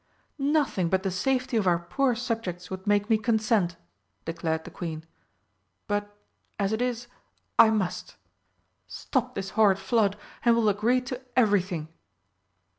"Nothing but the safety of our poor subjects would make me consent," declared the Queen, "but as it is, I must. Stop this horrid flood, and we'll agree to everything!"